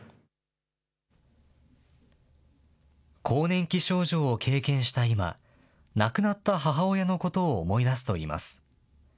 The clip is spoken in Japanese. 更年期症状を経験した今、亡くなった母親のことを思い出すといいます。